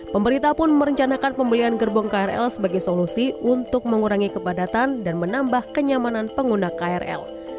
pemerintah pun merencanakan pembelian gerbong krl sebagai solusi untuk mengurangi kepadatan dan menambah kenyamanan pengguna krl